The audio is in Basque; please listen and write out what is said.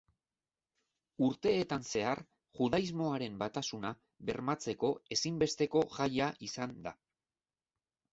Urteetan zehar judaismoaren batasuna bermatzeko ezinbesteko jaia izan da.